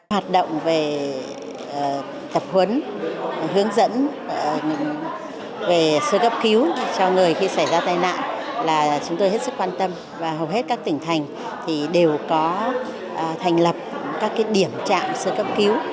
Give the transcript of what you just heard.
hoạt động về tập huấn hướng dẫn về sơ cấp cứu cho người khi xảy ra tai nạn là chúng tôi hết sức quan tâm và hầu hết các tỉnh thành đều có thành lập các điểm trạm sơ cấp cứu